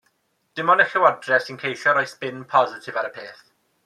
Dim ond y Llywodraeth sy'n ceisio rhoi sbin positif ar y peth.